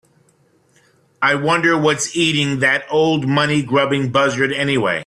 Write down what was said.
I wonder what's eating that old money grubbing buzzard anyway?